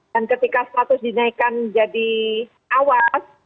dan ketika status dinaikkan jadi awas